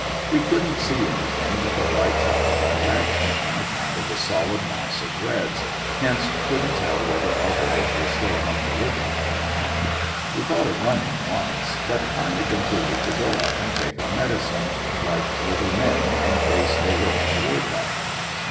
We couldn't see anything but the white top of our wagon, on account of the solid mass of reds, hence couldn't tell whether our boys were still among the living or not. We thought of running once, but finally concluded to go up and take our medicine like little men, in case they were on the war path.